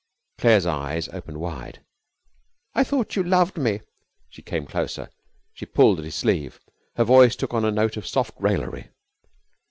Claire's eyes opened wide. 'I thought you loved me.' She came closer. She pulled at his sleeve. Her voice took on a note of soft raillery.